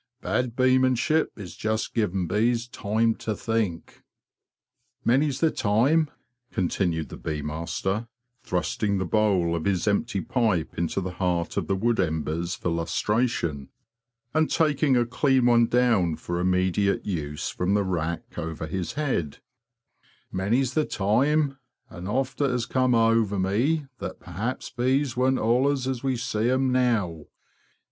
Bad beemanship is just giving bees time to think."' ""Many's the time,'' continued the bee master, thrusting the bowl of his empty pipe into the heart of the wood embers for lustration, and taking a clean one down for immediate use from the rack over his head; '' many's the time an' oft it has come ower me that perhaps bees warn't allers as we see them now.